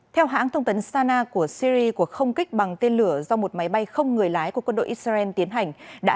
theo hãng thông tấn sana của syri cuộc không kích bằng tên lửa do một máy bay không người lái của quân đội israel tiến hành